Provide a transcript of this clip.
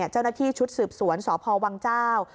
เจ้าหน้าที่ชุดสืบสวนสพวังเจ้า